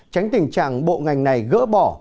tránh tình trạng bộ ngành này gỡ bỏ